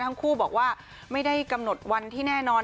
ทั้งคู่บอกว่าไม่ได้กำหนดวันที่แน่นอน